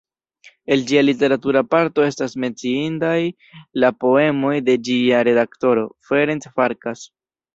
El ĝia literatura parto estas menciindaj la poemoj de ĝia redaktoro, Ferenc Farkas.